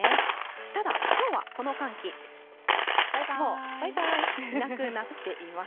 ただ、きょうはこの寒気、もうバイバイ、なくなっています。